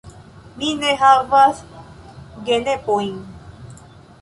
Mi ne havas genepojn.